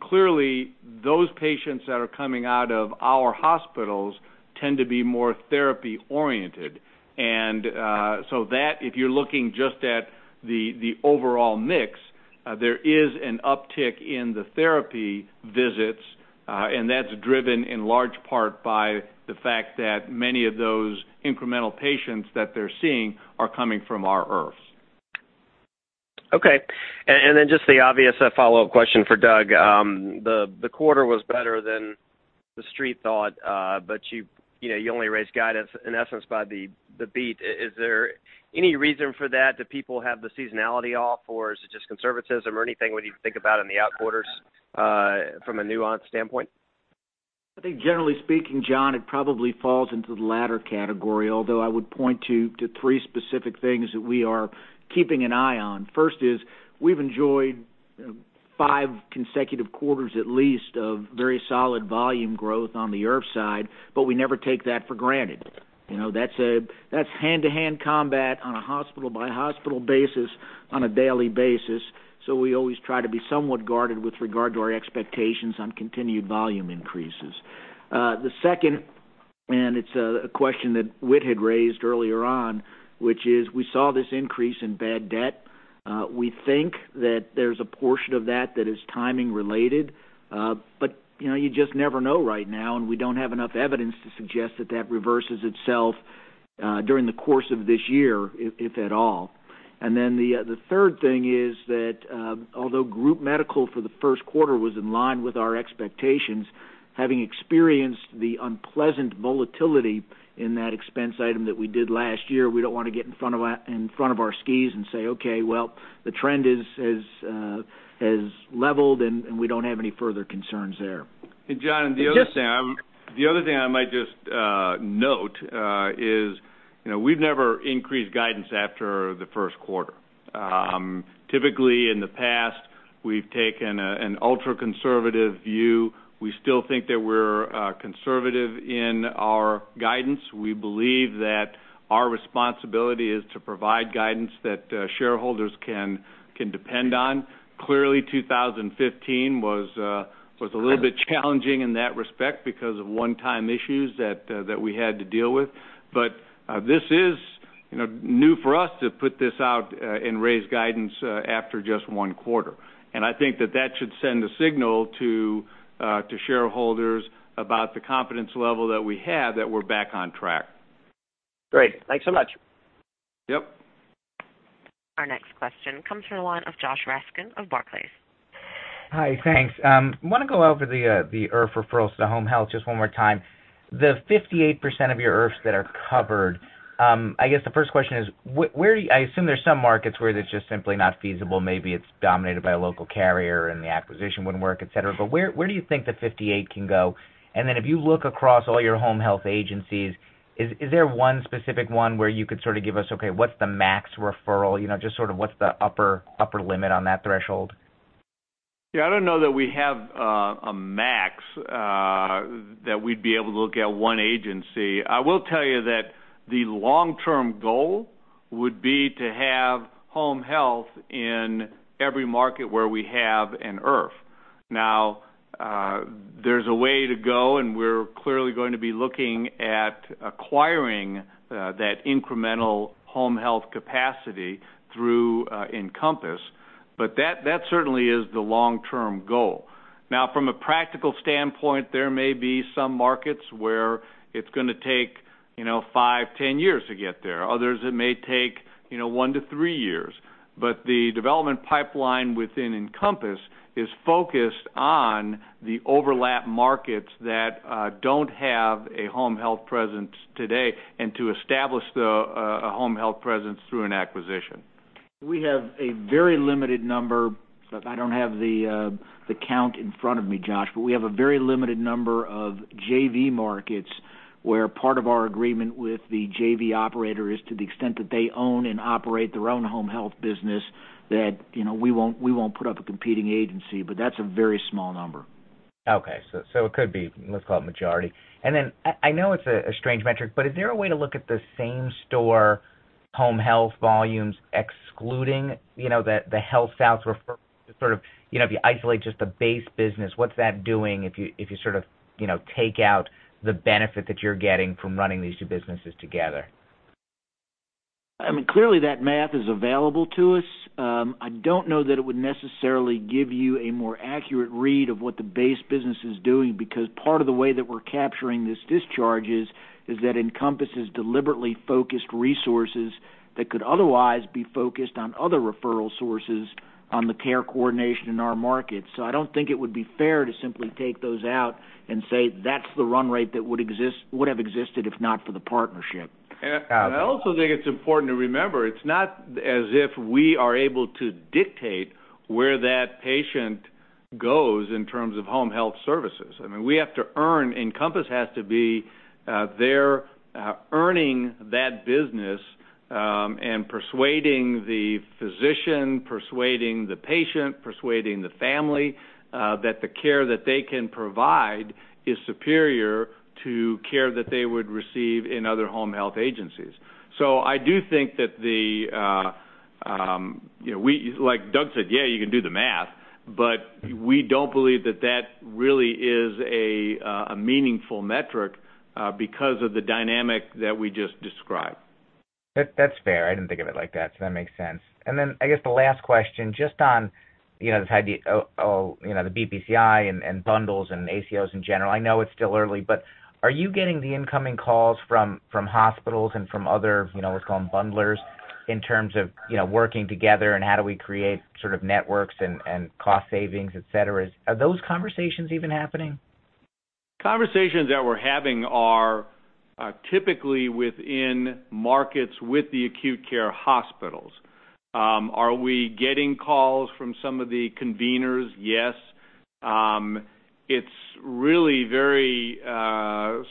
Clearly, those patients that are coming out of our hospitals tend to be more therapy-oriented. That, if you're looking just at the overall mix, there is an uptick in the therapy visits, and that's driven in large part by the fact that many of those incremental patients that they're seeing are coming from our IRFs. Okay. Just the obvious follow-up question for Doug. The quarter was better than the Street thought, you only raised guidance in essence by the beat. Is there any reason for that? Do people have the seasonality off, or is it just conservatism or anything when you think about in the out quarters from a nuance standpoint? I think generally speaking, John, it probably falls into the latter category, although I would point to three specific things that we are keeping an eye on. First is we've enjoyed five consecutive quarters, at least, of very solid volume growth on the IRF side, but we never take that for granted. That's hand-to-hand combat on a hospital-by-hospital basis on a daily basis. We always try to be somewhat guarded with regard to our expectations on continued volume increases. The second. It's a question that Whit had raised earlier on, which is we saw this increase in bad debt. We think that there's a portion of that that is timing related. But you just never know right now, and we don't have enough evidence to suggest that that reverses itself during the course of this year, if at all. The third thing is that although Group Medical for the first quarter was in line with our expectations, having experienced the unpleasant volatility in that expense item that we did last year, we don't want to get in front of our skis and say, "Okay, well, the trend has leveled," and we don't have any further concerns there. Hey, John, the other thing I might just note is we've never increased guidance after the first quarter. Typically, in the past, we've taken an ultra-conservative view. We still think that we're conservative in our guidance. We believe that our responsibility is to provide guidance that shareholders can depend on. Clearly, 2015 was a little bit challenging in that respect because of one-time issues that we had to deal with. This is new for us to put this out and raise guidance after just one quarter. I think that that should send a signal to shareholders about the confidence level that we have that we're back on track. Great. Thanks so much. Yep. Our next question comes from the line of Joshua Raskin of Barclays. Hi. Thanks. I want to go over the IRF referrals to home health just one more time. The 58% of your IRFs that are covered, I guess the first question is, I assume there's some markets where it's just simply not feasible. Maybe it's dominated by a local carrier, and the acquisition wouldn't work, et cetera, but where do you think the 58% can go? Then if you look across all your home health agencies, is there one specific one where you could sort of give us, okay, what's the max referral? Just sort of what's the upper limit on that threshold? Yeah, I don't know that we have a max that we'd be able to look at one agency. I will tell you that the long-term goal would be to have home health in every market where we have an IRF. There's a way to go, and we're clearly going to be looking at acquiring that incremental home health capacity through Encompass, but that certainly is the long-term goal. From a practical standpoint, there may be some markets where it's going to take five, 10 years to get there. Others, it may take one to three years. The development pipeline within Encompass is focused on the overlap markets that don't have a home health presence today and to establish a home health presence through an acquisition. We have a very limited number. I don't have the count in front of me, Josh, but we have a very limited number of JV markets where part of our agreement with the JV operator is to the extent that they own and operate their own home health business, that we won't put up a competing agency. That's a very small number. It could be, let's call it majority. I know it's a strange metric, but is there a way to look at the same-store home health volumes excluding the HealthSouth referral to sort of if you isolate just the base business, what's that doing if you sort of take out the benefit that you're getting from running these two businesses together? Clearly, that math is available to us. I don't know that it would necessarily give you a more accurate read of what the base business is doing, because part of the way that we're capturing this discharge is that Encompass is deliberately focused resources that could otherwise be focused on other referral sources on the care coordination in our markets. I don't think it would be fair to simply take those out and say, "That's the run rate that would have existed if not for the partnership. I also think it's important to remember, it's not as if we are able to dictate where that patient goes in terms of home health services. We have to earn. Encompass has to be there earning that business, and persuading the physician, persuading the patient, persuading the family, that the care that they can provide is superior to care that they would receive in other home health agencies. I do think that like Doug said, yeah, you can do the math, but we don't believe that that really is a meaningful metric because of the dynamic that we just described. That's fair. I didn't think of it like that, so that makes sense. I guess the last question, just on the BPCI and bundles and ACOs in general. I know it's still early, but are you getting the incoming calls from hospitals and from other what's called bundlers in terms of working together, and how do we create sort of networks and cost savings, et cetera? Are those conversations even happening? Conversations that we're having are typically within markets with the acute care hospitals. Are we getting calls from some of the conveners? Yes. It's really very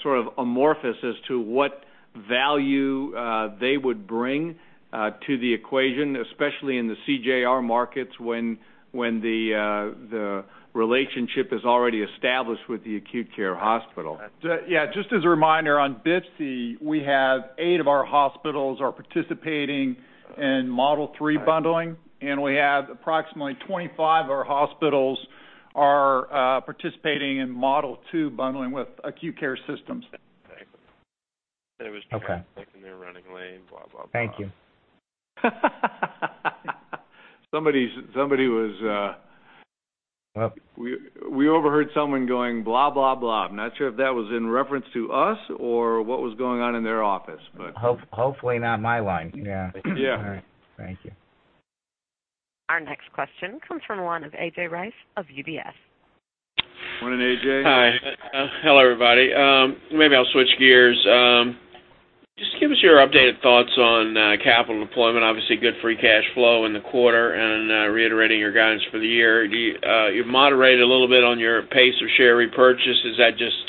sort of amorphous as to what value they would bring to the equation, especially in the CJR markets when the relationship is already established with the acute care hospital. Yeah, just as a reminder, on BPCI, we have eight of our hospitals are participating in Model 3 bundling, and we have approximately 25 of our hospitals are participating in Model 2 bundling with acute care systems. That it was Okay like in their running lane, blah, blah. Thank you. Somebody We overheard someone going blah, blah. I'm not sure if that was in reference to us or what was going on in their office. Hopefully not my line. Yeah. Yeah. All right. Thank you. Our next question comes from the line of A.J. Rice of UBS. Morning, A.J. Hi. Hello, everybody. Maybe I'll switch gears. Just give us your updated thoughts on capital deployment. Obviously, good free cash flow in the quarter and reiterating your guidance for the year. You've moderated a little bit on your pace of share repurchase. Is that just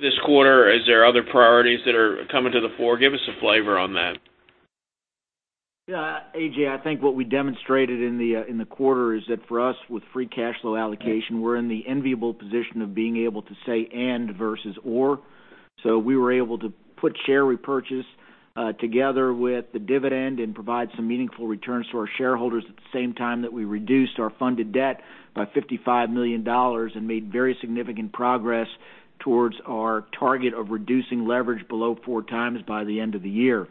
this quarter? Is there other priorities that are coming to the fore? Give us a flavor on that. A.J., I think what we demonstrated in the quarter is that for us, with free cash flow allocation, we're in the enviable position of being able to say and versus or. We were able to put share repurchase, together with the dividend and provide some meaningful returns to our shareholders at the same time that we reduced our funded debt by $55 million and made very significant progress towards our target of reducing leverage below four times by the end of the year.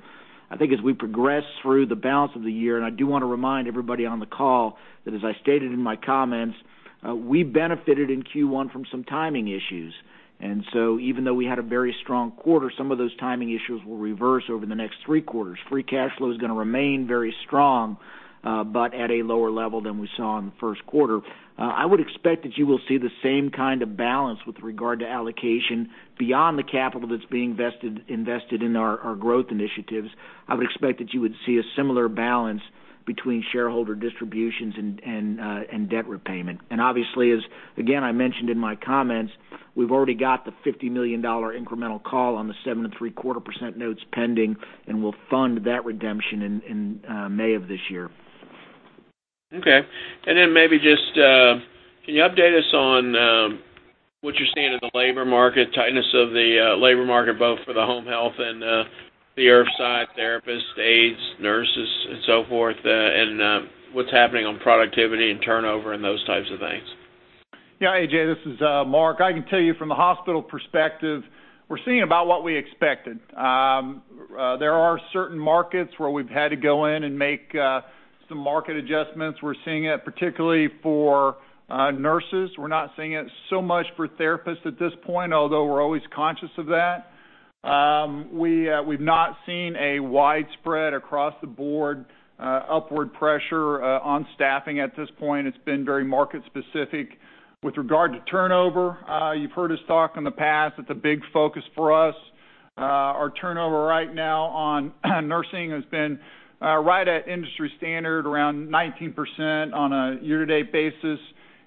I think as we progress through the balance of the year, I do want to remind everybody on the call that as I stated in my comments, we benefited in Q1 from some timing issues. Even though we had a very strong quarter, some of those timing issues will reverse over the next three quarters. Free cash flow is going to remain very strong, but at a lower level than we saw in the first quarter. I would expect that you will see the same kind of balance with regard to allocation beyond the capital that's being invested in our growth initiatives. I would expect that you would see a similar balance between shareholder distributions and debt repayment. Obviously, as, again, I mentioned in my comments, we've already got the $50 million incremental call on the 7 and three-quarter percent notes pending, and we'll fund that redemption in May of this year. Okay. Maybe just, can you update us on what you're seeing in the labor market, tightness of the labor market, both for the home health and the IRF side, therapists, aides, nurses, and so forth, and what's happening on productivity and turnover and those types of things? Yeah, A.J., this is Mark. I can tell you from the hospital perspective, we're seeing about what we expected. There are certain markets where we've had to go in and make some market adjustments. We're seeing it particularly for nurses. We're not seeing it so much for therapists at this point, although we're always conscious of that. We've not seen a widespread across-the-board upward pressure on staffing at this point. It's been very market specific. With regard to turnover, you've heard us talk in the past, it's a big focus for us. Our turnover right now on nursing has been right at industry standard, around 19% on a year-to-date basis,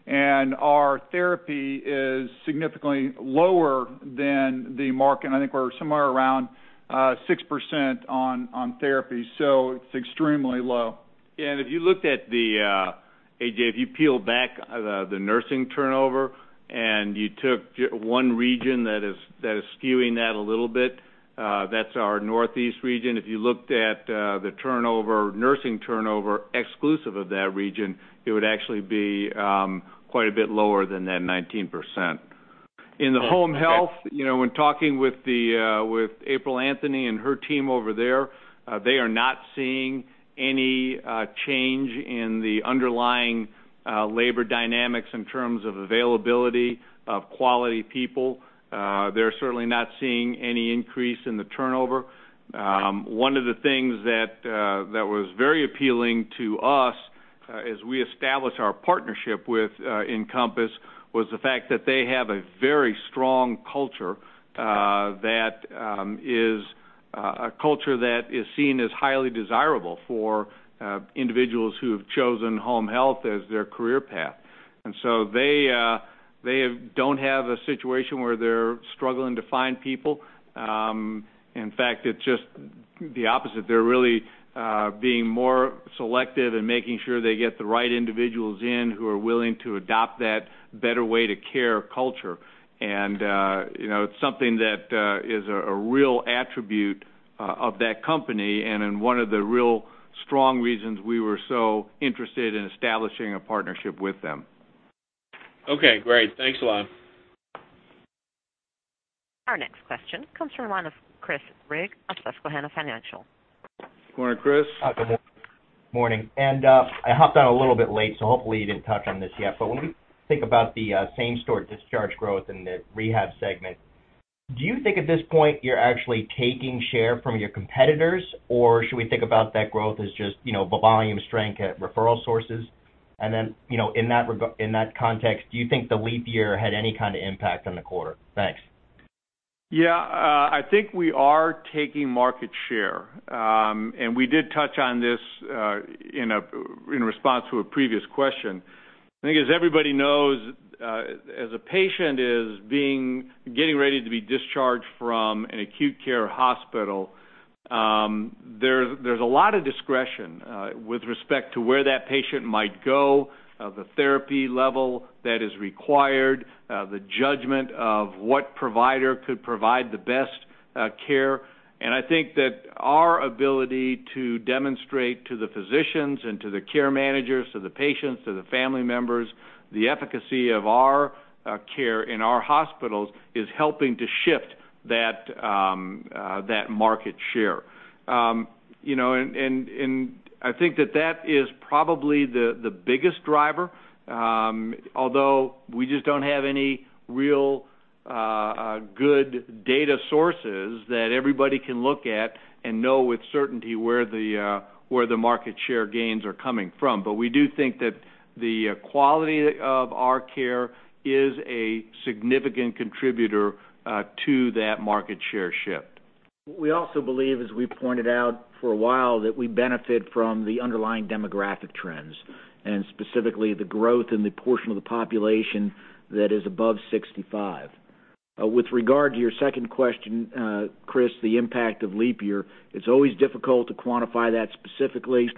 and our therapy is significantly lower than the market. I think we're somewhere around 6% on therapy, so it's extremely low. If you looked at the, A.J., if you peel back the nursing turnover and you took one region that is skewing that a little bit, that's our Northeast region. If you looked at the turnover, nursing turnover exclusive of that region, it would actually be quite a bit lower than that 19%. In the home health, when talking with April Anthony and her team over there, they are not seeing any change in the underlying labor dynamics in terms of availability of quality people. They're certainly not seeing any increase in the turnover. One of the things that was very appealing to us as we established our partnership with Encompass was the fact that they have a very strong culture that is a culture that is seen as highly desirable for individuals who have chosen home health as their career path. So they don't have a situation where they're struggling to find people. In fact, it's just the opposite. They're really being more selective and making sure they get the right individuals in who are willing to adopt that Better Way to Care culture. It's something that is a real attribute of that company and one of the real strong reasons we were so interested in establishing a partnership with them. Okay, great. Thanks a lot. Our next question comes from the line of Chris Rigg of Susquehanna Financial. Good morning, Chris. Good morning. Morning. I hopped on a little bit late, so hopefully you didn't touch on this yet. When we think about the same-store discharge growth in the rehab segment, do you think at this point you're actually taking share from your competitors, or should we think about that growth as just volume strength at referral sources? Then, in that context, do you think the leap year had any kind of impact on the quarter? Thanks. Yeah. I think we are taking market share. We did touch on this in response to a previous question. I think as everybody knows, as a patient is getting ready to be discharged from an acute care hospital, there's a lot of discretion with respect to where that patient might go, the therapy level that is required, the judgment of what provider could provide the best care I think that our ability to demonstrate to the physicians and to the care managers, to the patients, to the family members, the efficacy of our care in our hospitals is helping to shift that market share. I think that is probably the biggest driver, although we just don't have any real good data sources that everybody can look at and know with certainty where the market share gains are coming from. We do think that the quality of our care is a significant contributor to that market share shift. We also believe, as we pointed out for a while, that we benefit from the underlying demographic trends, and specifically the growth in the portion of the population that is above 65. With regard to your second question, Chris, the impact of leap year, it's always difficult to quantify that specifically.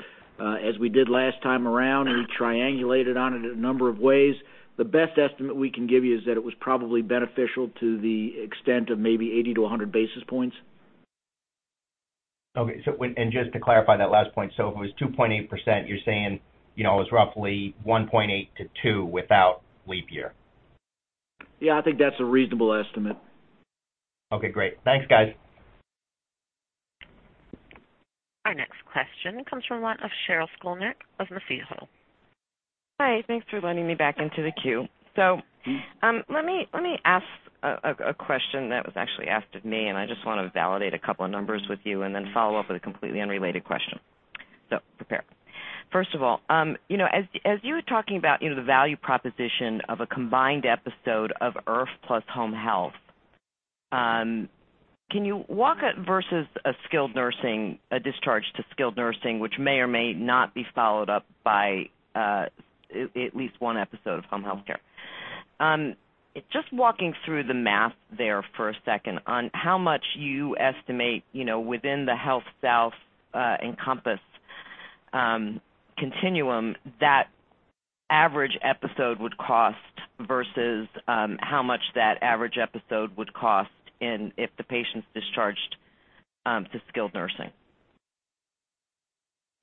As we did last time around, we triangulated on it in a number of ways. The best estimate we can give you is that it was probably beneficial to the extent of maybe 80 to 100 basis points. Okay. Just to clarify that last point, if it was 2.8%, you're saying, it was roughly 1.8 to 2 without leap year? Yeah, I think that's a reasonable estimate. Okay, great. Thanks, guys. Our next question comes from one of Sheryl Skolnick of Mizuho Securities. Hi. Thanks for letting me back into the queue. Let me ask a question that was actually asked of me, and I just want to validate a couple of numbers with you and then follow up with a completely unrelated question. Prepare. First of all, as you were talking about the value proposition of a combined episode of IRF plus home health, can you walk versus a discharge to skilled nursing, which may or may not be followed up by at least one episode of home healthcare? Just walking through the math there for a second on how much you estimate, within the HealthSouth Encompass continuum, that average episode would cost versus how much that average episode would cost if the patient's discharged to skilled nursing.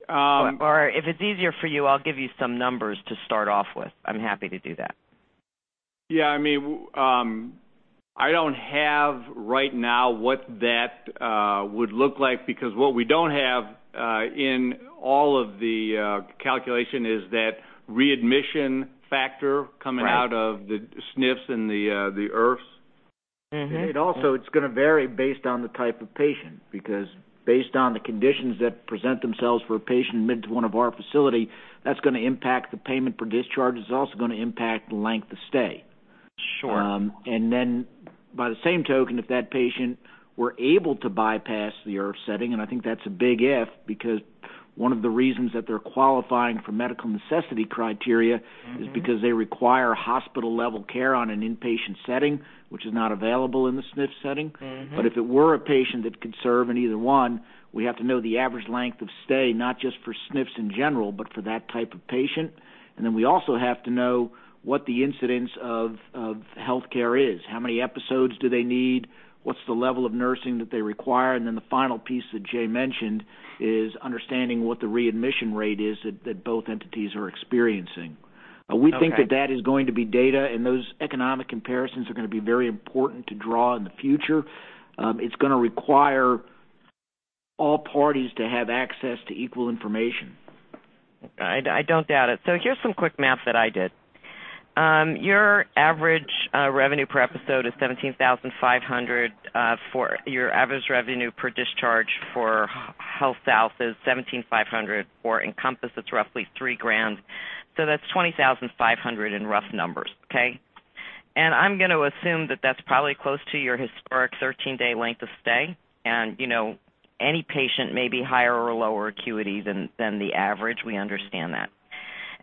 Or if it's easier for you, I'll give you some numbers to start off with. I'm happy to do that. I don't have right now what that would look like because what we don't have in all of the calculation is that readmission factor coming out of the SNFs and the IRFs. Also, it's going to vary based on the type of patient, because based on the conditions that present themselves for a patient admitted to one of our facility, that's going to impact the payment per discharge. It's also going to impact the length of stay. Sure. By the same token, if that patient were able to bypass the IRF setting, I think that's a big if, because one of the reasons that they're qualifying for medical necessity criteria is because they require hospital-level care on an inpatient setting, which is not available in the SNF setting. If it were a patient that could serve in either one, we have to know the average length of stay, not just for SNFs in general, but for that type of patient. We also have to know what the incidence of healthcare is, how many episodes do they need, what's the level of nursing that they require, and the final piece that Jay mentioned is understanding what the readmission rate is that both entities are experiencing. Okay. We think that that is going to be data, and those economic comparisons are going to be very important to draw in the future. It's going to require all parties to have access to equal information. I don't doubt it. Here's some quick math that I did. Your average revenue per episode is $17,500 for your average revenue per discharge for HealthSouth is $17,500, for Encompass, it's roughly $3,000. That's $20,500 in rough numbers, okay? I'm going to assume that that's probably close to your historic 13-day length of stay, and any patient may be higher or lower acuity than the average. We understand that.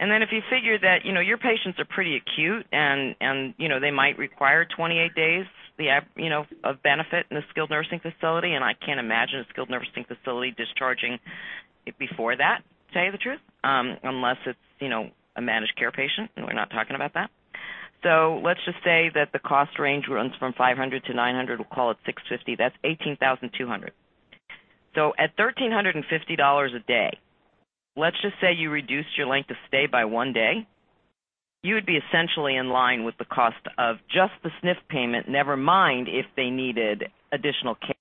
If you figure that your patients are pretty acute, and they might require 28 days of benefit in a skilled nursing facility, and I can't imagine a skilled nursing facility discharging before that, tell you the truth, unless it's a managed care patient, and we're not talking about that. Let's just say that the cost range runs from $500 to $900, we'll call it $650. That's $18,200. At $1,350 a day, let's just say you reduced your length of stay by one day. You would be essentially in line with the cost of just the SNF payment, never mind if they needed additional care.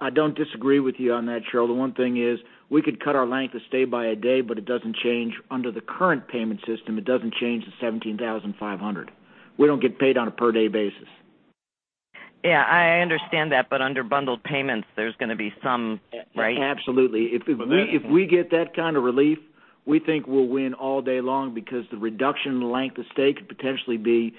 I don't disagree with you on that, Sheryl. The one thing is we could cut our length of stay by a day, but under the current payment system, it doesn't change the $17,500. We don't get paid on a per-day basis. I understand that, but under Bundled Payments, there's going to be some, right? Absolutely. If we get that kind of relief, we think we'll win all day long because the reduction in length of stay could potentially be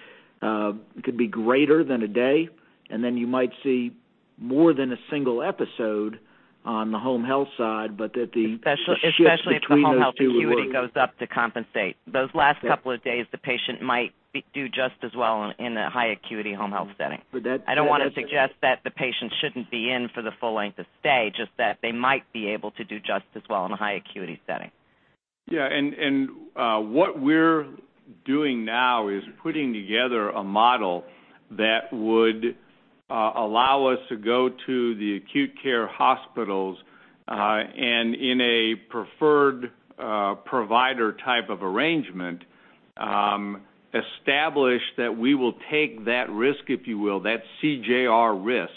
greater than a day, and then you might see More than a single episode on the home health side, but that the shift between those two would work. Especially if the home health acuity goes up to compensate. Those last couple of days, the patient might do just as well in a high acuity home health setting. But that- I don't want to suggest that the patient shouldn't be in for the full length of stay, just that they might be able to do just as well in a high acuity setting. Yeah, what we're doing now is putting together a model that would allow us to go to the acute care hospitals, in a preferred provider type of arrangement, establish that we will take that risk, if you will, that CJR risk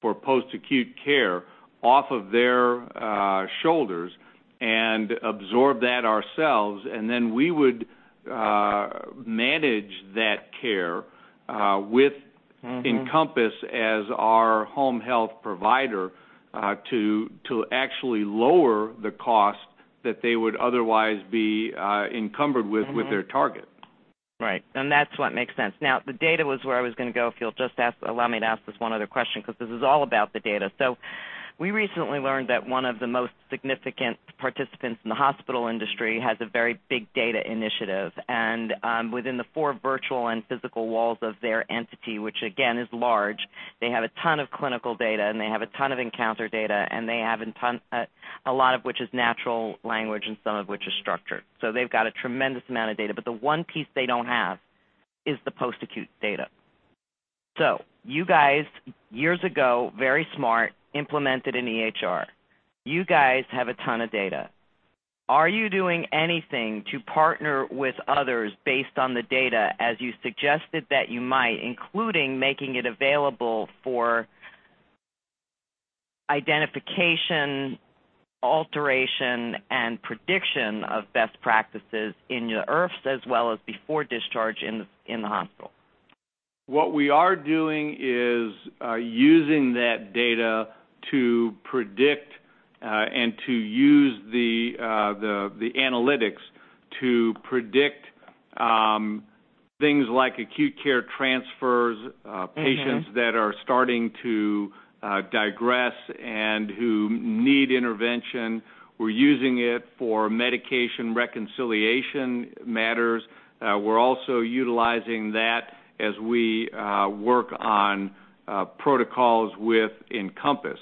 for post-acute care off of their shoulders and absorb that ourselves. We would manage that care with Encompass as our home health provider to actually lower the cost that they would otherwise be encumbered with their target. Right. That's what makes sense. The data was where I was going to go, if you'll just allow me to ask this one other question, because this is all about the data. We recently learned that one of the most significant participants in the hospital industry has a very big data initiative. Within the four virtual and physical walls of their entity, which again, is large, they have a ton of clinical data, and they have a ton of encounter data, a lot of which is natural language and some of which is structured. They've got a tremendous amount of data, but the one piece they don't have is the post-acute data. You guys, years ago, very smart, implemented an EHR. You guys have a ton of data. Are you doing anything to partner with others based on the data as you suggested that you might, including making it available for identification, alteration, and prediction of best practices in your IRFs as well as before discharge in the hospital? What we are doing is using that data to predict and to use the analytics to predict things like acute care transfers, patients that are starting to digress and who need intervention. We're using it for medication reconciliation matters. We're also utilizing that as we work on protocols with Encompass.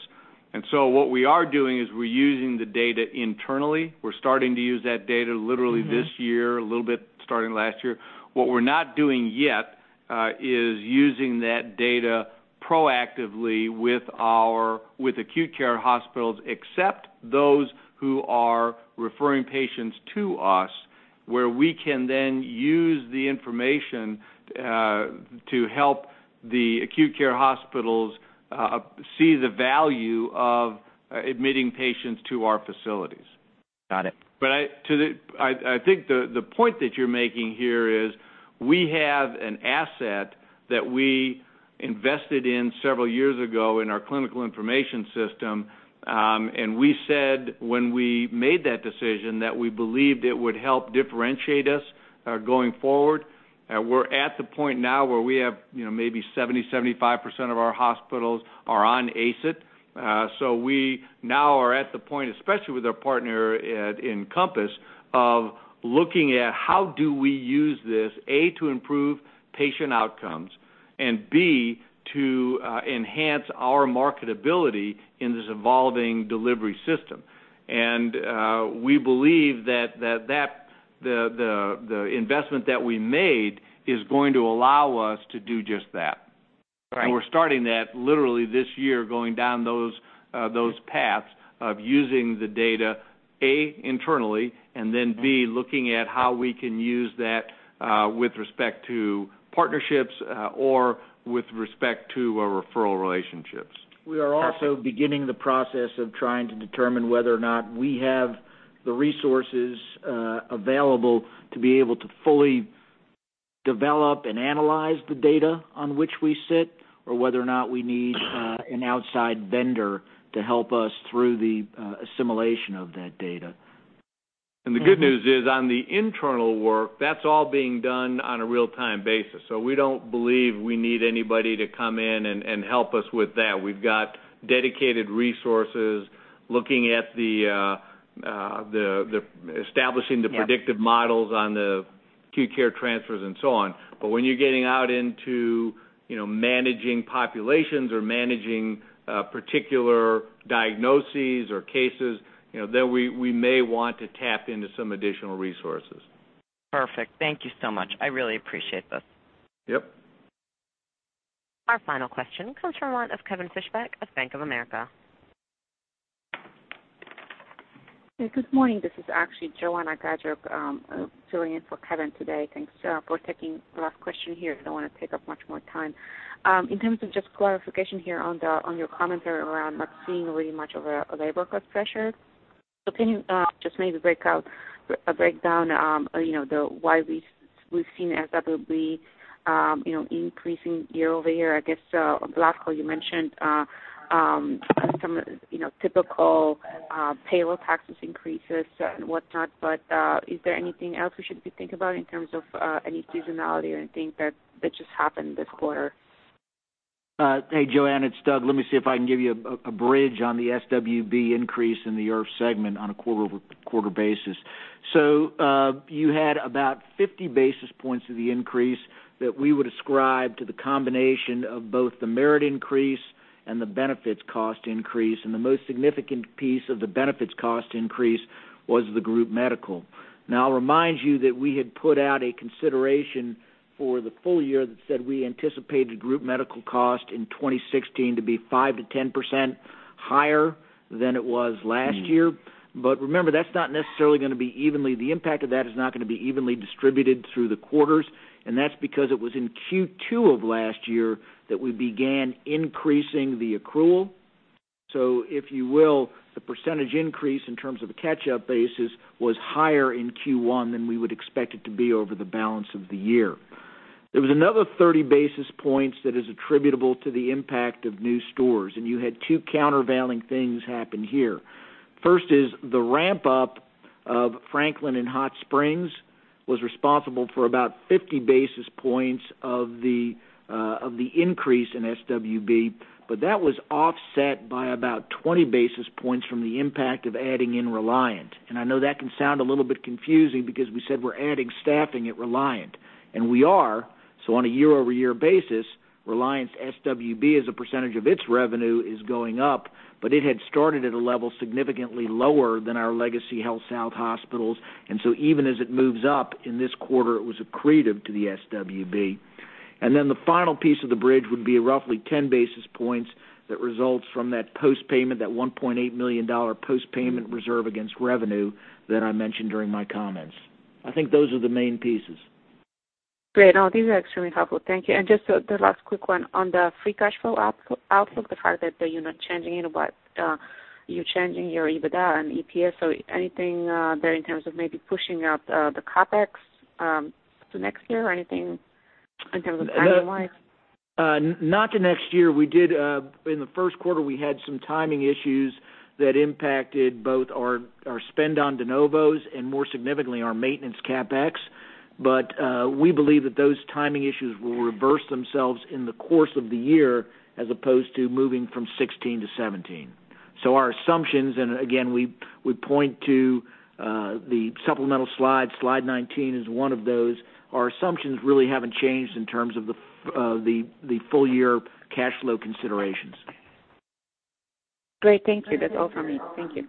What we are doing is we're using the data internally. We're starting to use that data literally this year, a little bit starting last year. What we're not doing yet is using that data proactively with acute care hospitals, except those who are referring patients to us, where we can then use the information to help the acute care hospitals see the value of admitting patients to our facilities. Got it. I think the point that you're making here is we have an asset that we invested in several years ago in our clinical information system. We said when we made that decision that we believed it would help differentiate us going forward. We're at the point now where we have maybe 70%-75% of our hospitals are on ACEit. We now are at the point, especially with our partner at Encompass, of looking at how do we use this, A, to improve patient outcomes, and B, to enhance our marketability in this evolving delivery system. We believe that the investment that we made is going to allow us to do just that. Right. We're starting that literally this year, going down those paths of using the data, A, internally, and then B, looking at how we can use that with respect to partnerships or with respect to our referral relationships. Perfect. We are also beginning the process of trying to determine whether or not we have the resources available to be able to fully develop and analyze the data on which we sit, or whether or not we need an outside vendor to help us through the assimilation of that data. The good news is on the internal work, that's all being done on a real-time basis. We don't believe we need anybody to come in and help us with that. We've got dedicated resources looking at establishing the predictive models on the acute care transfers and so on. When you're getting out into managing populations or managing particular diagnoses or cases, then we may want to tap into some additional resources. Perfect. Thank you so much. I really appreciate this. Yep. Our final question comes from one of Kevin Fischbeck of Bank of America. Good morning. This is actually Joanna Gajuk filling in for Kevin today. Thanks, Joe, for taking the last question here. I don't want to take up much more time. In terms of just clarification here on your commentary around not seeing really much of a labor cost pressure. Can you just maybe break down why we've seen SWB increasing year-over-year? I guess, [Vlado], you mentioned some typical payroll taxes increases and whatnot, but is there anything else we should be thinking about in terms of any seasonality or anything that just happened this quarter? Hey, Joanna, it's Doug. Let me see if I can give you a bridge on the SWB increase in the IRF segment on a quarter-over-quarter basis. You had about 50 basis points of the increase that we would ascribe to the combination of both the merit increase and the benefits cost increase, and the most significant piece of the benefits cost increase was the group medical. Now, I'll remind you that we had put out a consideration for the full year that said we anticipated group medical cost in 2016 to be 5%-10% higher than it was last year. Remember, the impact of that is not going to be evenly distributed through the quarters, and that's because it was in Q2 of last year that we began increasing the accrual. If you will, the percentage increase in terms of a catch-up basis was higher in Q1 than we would expect it to be over the balance of the year. There was another 30 basis points that is attributable to the impact of new stores, you had two countervailing things happen here. First is the ramp-up of Franklin and Hot Springs was responsible for about 50 basis points of the increase in SWB, but that was offset by about 20 basis points from the impact of adding in Reliant. I know that can sound a little bit confusing because we said we're adding staffing at Reliant, and we are. On a year-over-year basis, Reliant's SWB as a percentage of its revenue is going up, but it had started at a level significantly lower than our legacy HealthSouth hospitals. Even as it moves up in this quarter, it was accretive to the SWB. The final piece of the bridge would be roughly 10 basis points that results from that post-payment, that $1.8 million post-payment reserve against revenue that I mentioned during my comments. I think those are the main pieces. Great. No, these are extremely helpful. Thank you. Just the last quick one on the adjusted free cash flow outlook, the fact that you're not changing it, but you're changing your EBITDA and EPS. Anything there in terms of maybe pushing up the CapEx to next year or anything in terms of timing-wise? Not to next year. In the first quarter, we had some timing issues that impacted both our spend on de novos and more significantly, our maintenance CapEx. We believe that those timing issues will reverse themselves in the course of the year as opposed to moving from 2016 to 2017. Our assumptions, and again, we point to the supplemental slide 19 is one of those. Our assumptions really haven't changed in terms of the full-year cash flow considerations. Great. Thank you. That's all from me. Thank you.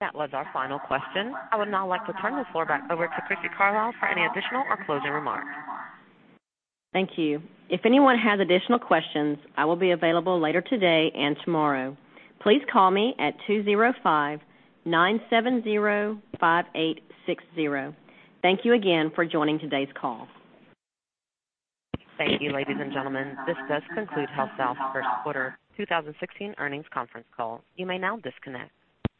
That was our final question. I would now like to turn the floor back over to Crissy Carlisle for any additional or closing remarks. Thank you. If anyone has additional questions, I will be available later today and tomorrow. Please call me at 205-970-5860. Thank you again for joining today's call. Thank you, ladies and gentlemen. This does conclude HealthSouth's first quarter 2016 earnings conference call. You may now disconnect.